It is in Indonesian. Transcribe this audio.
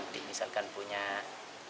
bukti ataupun saya sangat tidak yakin